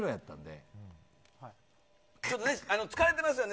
疲れてますよね。